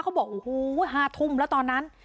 เขาบอกโอ้โห๕ทุ่มแล้วตอนนั้น